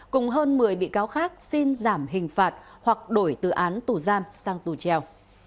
cùng hơn một mươi bị cáo khác xin giảm hình phạt hoặc đổi từ án tù giam sang tù treo